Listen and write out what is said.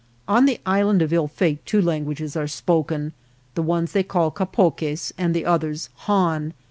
On the Island of Ill Fate two languages are spoken, the ones they call Capoques, the others Han.